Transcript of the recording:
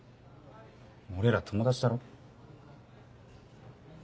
俺ら友達だろ？